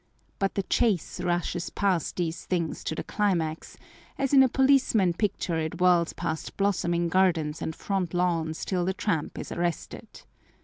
But the chase rushes past these things to the climax, as in a policeman picture it whirls past blossoming gardens and front lawns till the tramp is arrested.